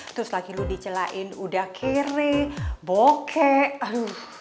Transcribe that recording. terus lagi lu dicelain udah kere bokeh